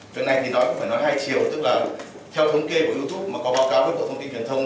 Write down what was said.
chuyện nay thì nó cũng phải nói hai chiều tức là theo thống kê của youtube mà có báo cáo với bộ thông tin truyền thông